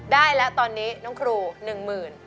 ได้แล้วตอนนี้น้องครู๑หมื่น